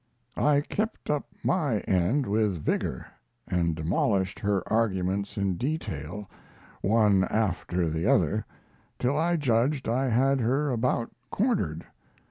I kept up my end with vigor, and demolished her arguments in detail, one after the other, till I judged I had her about cornered.